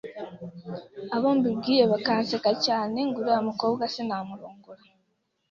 abo mbibwiye bakanseka cyane ngo uriya mukobwa sinamurongora